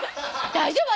大丈夫？